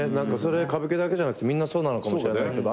歌舞伎だけじゃなくてみんなそうかもしれないけど。